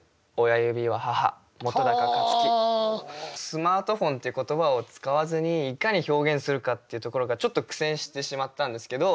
「スマートフォン」っていう言葉を使わずにいかに表現するかっていうところがちょっと苦戦してしまったんですけど。